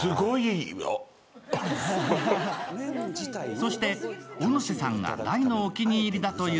そして小野瀬さんが大のお気に入りだという